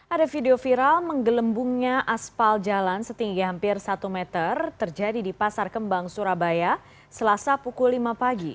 ada video viral menggelembungnya aspal jalan setinggi hampir satu meter terjadi di pasar kembang surabaya selasa pukul lima pagi